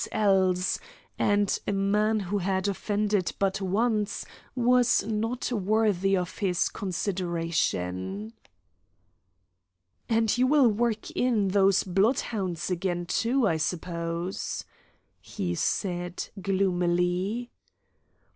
L.'s, and a man who had offended but once was not worthy of his consideration. "And you will work in those bloodhounds again, too, I suppose," he said, gloomily.